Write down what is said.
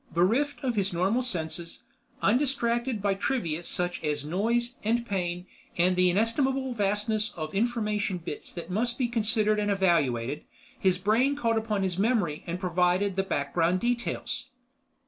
Bereft of his normal senses, undistracted by trivia such as noise and pain and the inestimable vastness of information bits that must be considered and evaluated, his brain called upon his memory and provided the background details.